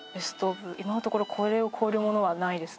今のところこれを超えるものはないですね。